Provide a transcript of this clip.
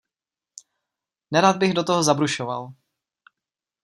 Nerad bych do toho zabrušoval.